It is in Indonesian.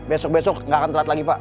besok besok nggak akan telat lagi pak